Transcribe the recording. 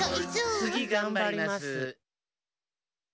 つぎがんばります。